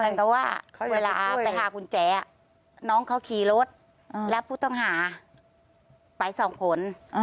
เหมือนกับว่าเวลาไปหากุญแจน้องเขาขี่รถแล้วผู้ต้องหาไปสองคน